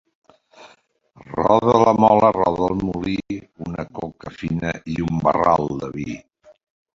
Roda la mola, roda el molí, una coca fina i un barral de vi.